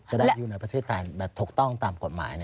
จะได้อยู่ในประเทศไทยแบบถูกต้องตามกฎหมาย